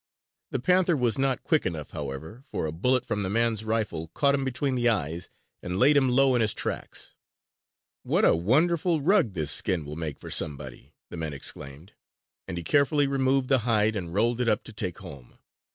The panther was not quick enough, however, for a bullet from the man's rifle caught him between the eyes and laid him low in his tracks. "What a wonderful rug this skin will make for somebody!" the man exclaimed; and he carefully removed the hide and rolled it up to take home.